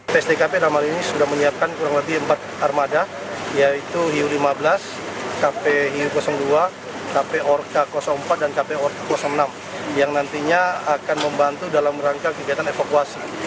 psdkp ramadhan ini sudah menyiapkan kurang lebih empat armada yaitu hiu lima belas kpu dua kpu empat dan kpu enam yang nantinya akan membantu dalam rangka kegiatan evakuasi